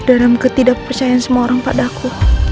dalam ketidakpercayaan semua orang padaku